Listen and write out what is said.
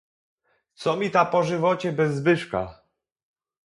"Co mi ta po żywocie bez Zbyszka!"